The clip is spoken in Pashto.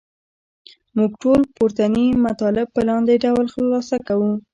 موږ ټول پورتني مطالب په لاندې ډول خلاصه کوو.